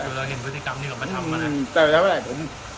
แต่เราเห็นพฤติกรรมที่เขามาทำมาน่ะ